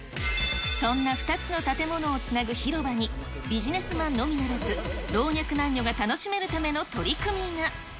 そんな２つの建物をつなぐ広場に、ビジネスマンのみならず、老若男女が楽しめるための取り組みが。